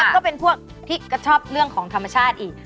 ก็เป็นพวกที่ก็ชอบเรื่องของธรรมชาติอีก